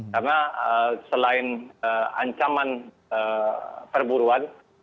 karena selain ancaman perburuan